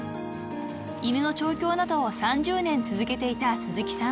［犬の調教などを３０年続けていた鈴木さん］